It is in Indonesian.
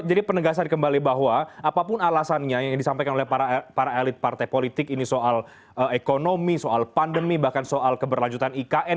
jadi penegasan kembali bahwa apapun alasannya yang disampaikan oleh para elit partai politik ini soal ekonomi soal pandemi bahkan soal keberlanjutan ikn